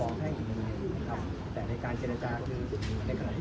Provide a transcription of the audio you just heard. ต้องร้องไปร้องไปสามที่ครับอันนี้ผมคิดเองนะ